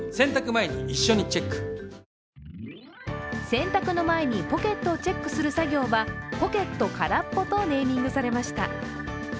洗濯の前にポケットをチェックする作業は「ポケットからっぽ」とネーミングされました。